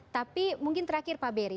tapi mungkin terakhir pak beri